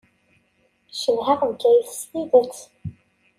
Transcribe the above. Cedhaɣ Bgayet s tidet.